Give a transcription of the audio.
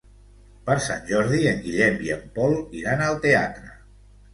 Per Sant Jordi en Guillem i en Pol iran al teatre.